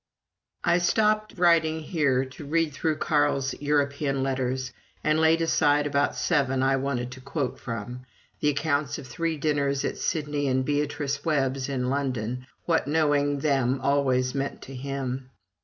I stopped writing here to read through Carl's European letters, and laid aside about seven I wanted to quote from: the accounts of three dinners at Sidney and Beatrice Webb's in London what knowing them always meant to him!